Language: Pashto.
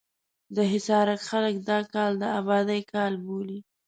د حصارک خلک دا کال د ابادۍ کال بولي.